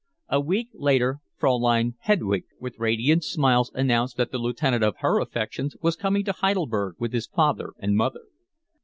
A week later Fraulein Hedwig with radiant smiles announced that the lieutenant of her affections was coming to Heidelberg with his father and mother.